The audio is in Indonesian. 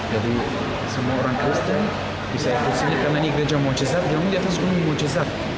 jadi semua orang kristen bisa ikut sini karena ini gereja mujizat di atas gunung mujizat